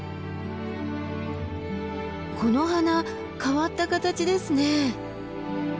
この花変わった形ですね。